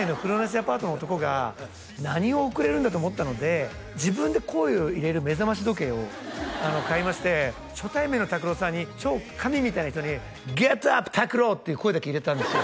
アパートの男が何を贈れるんだと思ったので自分で声を入れる目覚まし時計を買いまして初対面のＴＡＫＵＲＯさんに超神みたいな人に「ゲットアップＴＡＫＵＲＯ！」っていう声だけ入れたんですよ